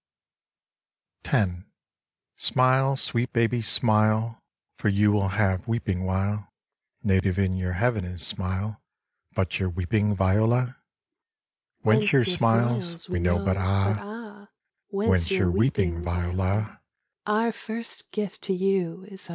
X Smile, sweet baby, smile, For you will have weeping while; Native in your Heaven is smile, But your weeping, Viola? Whence your smiles, we know, but ah! Whence your weeping, Viola?